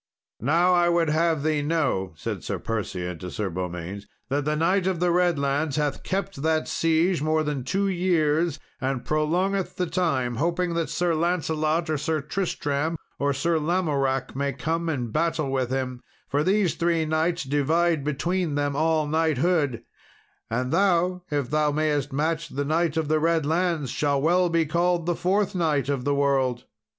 "Now, I would have thee know," said Sir Perseant to Sir Beaumains, "that the Knight of the Redlands hath kept that siege more than two years, and prolongeth the time hoping that Sir Lancelot, or Sir Tristram, or Sir Lamoracke, may come and battle with him; for these three knights divide between them all knighthood; and thou if thou mayest match the Knight of the Redlands, shall well be called the fourth knight of the world."